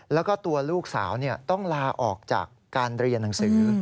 แล้วก็ตัวลูกสาวต้องลาออกจากการเรียนหนังสือ